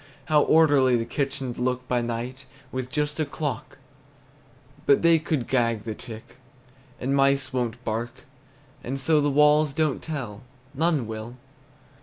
How orderly the kitchen 'd look by night, With just a clock, But they could gag the tick, And mice won't bark; And so the walls don't tell, None will.